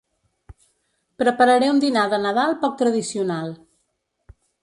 Prepararé un dinar de Nadal poc tradicional.